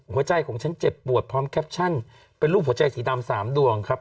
หัวใจของฉันเจ็บปวดพร้อมแคปชั่นเป็นรูปหัวใจสีดำ๓ดวงครับ